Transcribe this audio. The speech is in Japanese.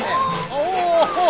おお！